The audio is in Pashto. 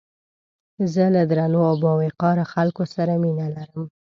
زه له درنو او باوقاره خلکو سره مينه لرم